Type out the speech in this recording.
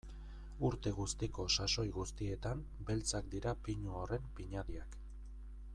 Urte guztiko sasoi guztietan beltzak dira pinu horren pinadiak.